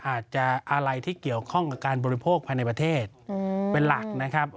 อาจจะอะไรที่เกี่ยวข้องกับการบริโภคภายในประเทศเป็นหลักนะครับ